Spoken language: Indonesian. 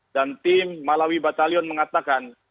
dan tim malawi batalion mengatakan